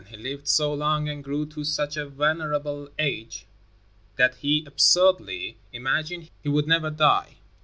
He lived so long and grew to such a venerable age that he absurdly imagined he would never die.